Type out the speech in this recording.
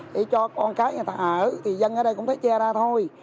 để cho con cái người ta ở thì dân ở đây cũng thấy che ra thôi